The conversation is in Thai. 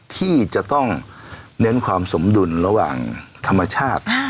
ที่จะต้องเน้นความสมดุลระหว่างธรรมชาติ